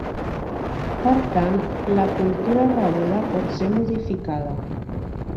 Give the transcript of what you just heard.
Per tant, la cultura rebuda pot ser modificada.